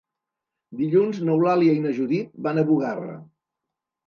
Dilluns n'Eulàlia i na Judit van a Bugarra.